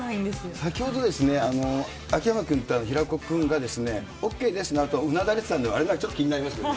先ほど、秋山君と平子君がＯＫですのあと、うなだれてたんで、あれがちょっと気になりますよね。